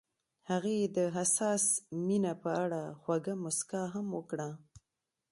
هغې د حساس مینه په اړه خوږه موسکا هم وکړه.